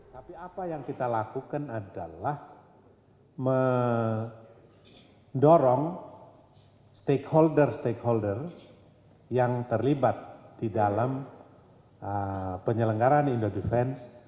tapi apa yang kita lakukan adalah mendorong stakeholder stakeholder yang terlibat di dalam penyelenggaran indodefense